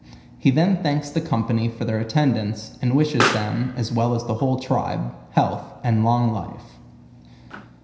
He then thanks the company for their attendance, and wishes them, as well as the whole tribe, health and long life.